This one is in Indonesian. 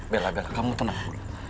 bella kamu tenang